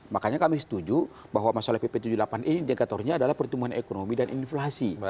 makanya kami setuju bahwa masalah pp tujuh puluh delapan ini indikatornya adalah pertumbuhan ekonomi dan inflasi